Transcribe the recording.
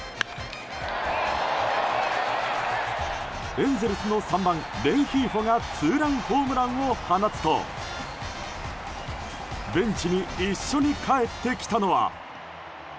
エンゼルスの３番レンヒーフォがツーランホームランを放つとベンチに一緒に帰ってきたのは。